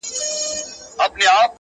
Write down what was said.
د خپل بابا پر مېنه چلوي د مرګ باړونه،